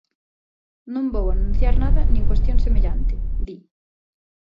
"Non vou anunciar nada nin cuestión semellante", di.